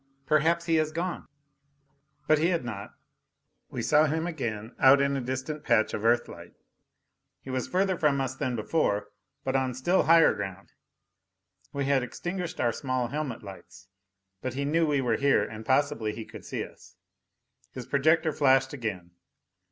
"Perhaps he has gone " But he had not. We saw him again, out in a distant patch of Earthlight. He was further from us than before, but on still higher ground. We had extinguished our small helmet lights. But he knew we were here and possibly he could see us. His projector flashed again.